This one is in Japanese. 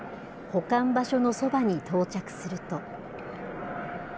保管場所のそばに到着すると。